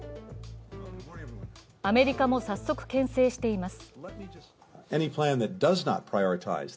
アメリカも早速けん制しています。